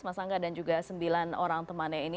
mas angga dan juga sembilan orang temannya ini